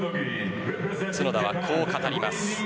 角田はこう語ります。